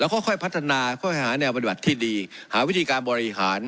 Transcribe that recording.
ค่อยพัฒนาค่อยหาแนวปฏิบัติที่ดีหาวิธีการบริหาร